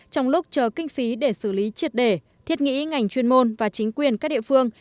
trong lúc chờ kinh phí để xử lý triệt đề thiết nghĩ ngành chuyên môn và chính quyền các địa phương